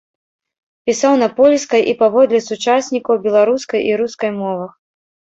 Пісаў на польскай і, паводле сучаснікаў, беларускай і рускай мовах.